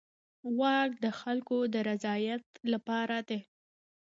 واک د خلکو د رضایت لپاره دی.